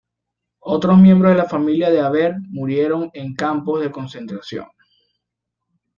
Otros miembros de la familia de Haber murieron en campos de concentración.